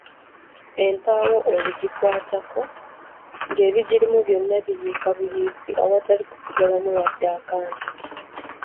Empaawo olugikwatako ng’ebirimu byonna biyiika buyiisi awatali kusigalamu wadde akantu!